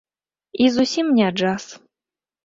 І зусім не джаз.